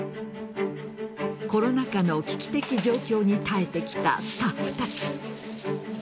コロナ禍の危機的状況に耐えてきたスタッフたち。